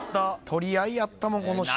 取り合いやったもんこの下。